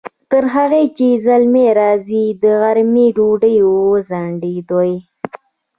تر هغې چې زلمی راځي، د غرمې ډوډۍ وځڼډوئ!